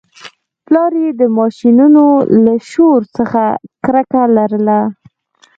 پلار یې د ماشینونو له شور څخه کرکه لرله